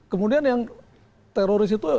kemudian yang teroris itu